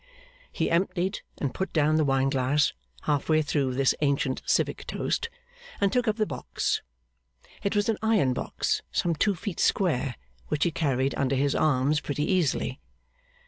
He emptied and put down the wine glass half way through this ancient civic toast, and took up the box. It was an iron box some two feet square, which he carried under his arms pretty easily.